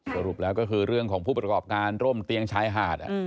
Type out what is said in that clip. สรุปแล้วก็คือเรื่องของผู้ประกอบการร่มเตียงชายหาด